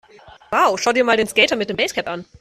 Wow, schau dir mal den Skater mit dem Basecap an!